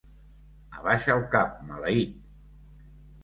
Abaixa el cap, maleït!